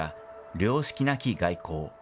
良識なき外交。